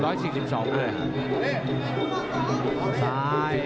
๑๔๒ด้วย